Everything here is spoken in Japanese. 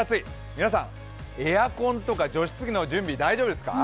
皆さん、エアコンとか除湿機の準備大丈夫ですか。